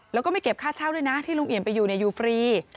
แล้วก็ไม่เก็บค่าเช่าด้วยนะที่ลุงเอี่ยมไปอยู่อยู่ฟรี